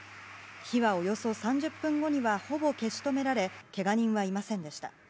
火はおよそ３０分後にはほぼ消し止められけが人はいませんでした。